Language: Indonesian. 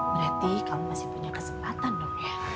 berarti kamu masih punya kesempatan dong